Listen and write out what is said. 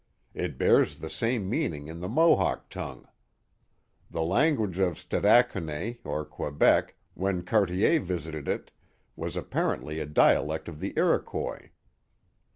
It bears the same meaning in the Mohawk tongue." The language of Stada cone, or Quebec, when Cartier visited it, was apparently a dialect of the Iroquois."